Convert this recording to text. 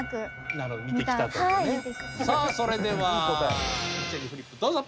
さあそれでは一斉にフリップどうぞ。